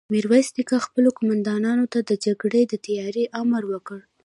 ميرويس نيکه خپلو قوماندانانو ته د جګړې د تياري امر وکړ.